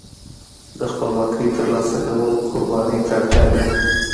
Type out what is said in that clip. د خپلواکۍ ترلاسه کول قربانۍ ته اړتیا لري.